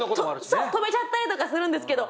ついそう止めちゃったりとかするんですけど。